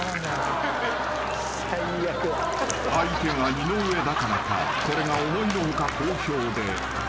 ［相手が井上だからかこれが思いの外好評で］